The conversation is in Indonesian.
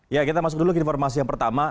ya kita masuk dulu ke informasi yang pertama